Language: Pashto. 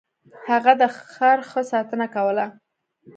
هغه د خر ښه ساتنه کوله.